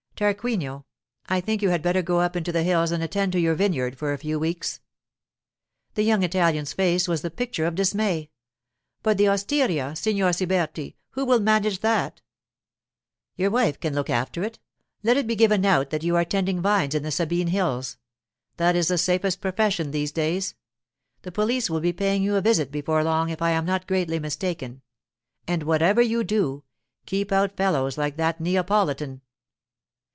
'Tarquinio, I think you had better go up into the hills and attend to your vineyard for a few weeks.' The young Italian's face was the picture of dismay. 'But the osteria, Signor Siberti; who will manage that?' 'Your wife can look after it. Let it be given out that you are tending vines in the Sabine hills. That is the safest profession these days. The police will be paying you a visit before long if I am not greatly mistaken—and whatever you do, keep out fellows like that Neapolitan.